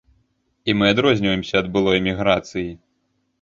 І мы адрозніваемся ад былой эміграцыі.